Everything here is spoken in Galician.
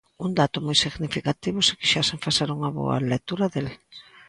Un dato moi significativo se quixesen facer unha boa lectura del.